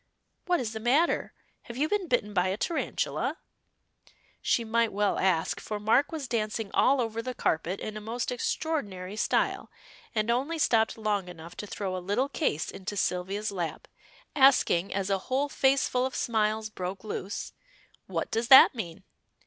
What is the matter? Have you been bitten by a tarantula?" She might well ask, for Mark was dancing all over the carpet in a most extraordinary style, and only stopped long enough to throw a little case into Sylvia's lap, asking as a whole faceful of smiles broke loose "What does that mean?"